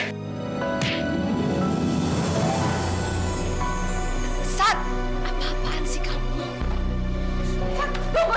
apa apaan sih kamu